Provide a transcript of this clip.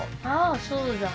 ああそうだ。